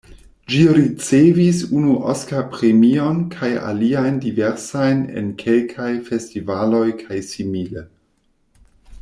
Ĝi ricevis unu Oskar-premion kaj aliajn diversajn en kelkaj festivaloj kaj simile.